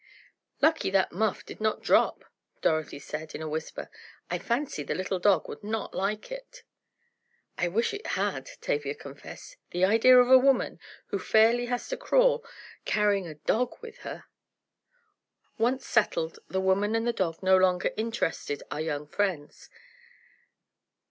"Lucky that muff did not drop," Dorothy said, in a whisper. "I fancy the little dog would not like it." "I wish it had," Tavia confessed. "The idea of a woman, who fairly has to crawl, carrying a dog with her." Once settled, the woman and the dog no longer interested our young friends.